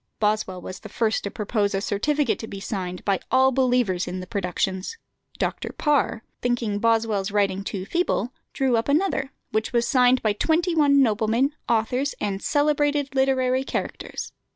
Boswell was the first to propose a certificate to be signed by all believers in the productions. Dr. Parr, thinking Boswell's writing too feeble, drew up another, which was signed by twenty one noblemen, authors, and "celebrated literary characters."